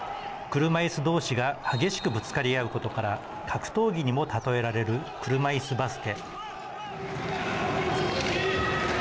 車いす同士が激しくぶつかり合うことから格闘技にもたとえられる車いすバスケ。